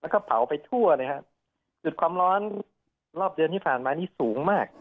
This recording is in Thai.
แล้วก็เผาไปทั่วเลยครับจุดความร้อนรอบเดือนที่ผ่านมานี่สูงมาก